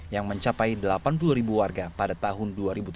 yang mencapai delapan puluh ribu warga pada tahun dua ribu tujuh belas